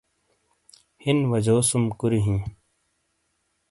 ہن وجوسم کُری ہی